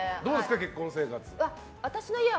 結婚生活は。